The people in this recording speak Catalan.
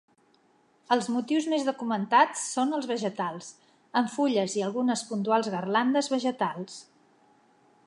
Els motius més documentats són els vegetals, amb fulles i algunes puntuals garlandes vegetals.